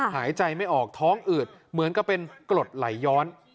หายใจไม่ออกท้องอืดเหมือนกับเป็นกรดไหลย้อน